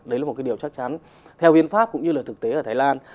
đấy là một điều chắc chắn theo hiến pháp cũng như là thực tế ở thái lan